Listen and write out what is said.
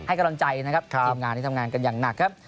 กำลังใจนะครับทีมงานที่ทำงานกันอย่างหนักครับ